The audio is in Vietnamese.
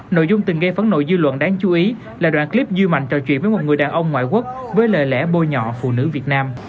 nội dung từng gây phấn nội dư luận đáng chú ý là đoạn clip dư mạnh trò chuyện với một người đàn ông ngoại quốc với lời lẽ bôi nhọ phụ nữ việt nam